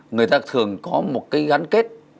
người ta thường có một cái gắn kết